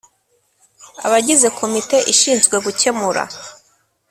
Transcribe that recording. Abagize Komite ishinzwe gukemura